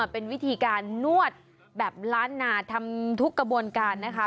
เป็นวิธีการนวดแบบล้านนาทำทุกกระบวนการนะคะ